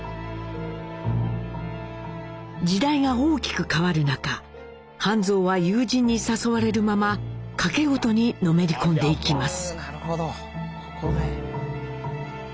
時代が大きく変わる中畔三は友人に誘われるまま賭け事にのめり込んでいきます。